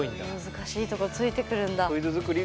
難しいところついてくるんだ。